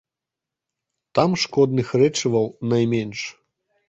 Там шкодных рэчываў найменш.